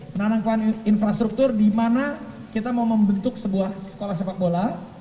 menanamkan infrastruktur di mana kita mau membentuk sebuah sekolah sepak bola